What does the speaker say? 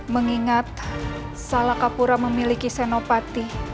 mengingat salakapura memiliki senopati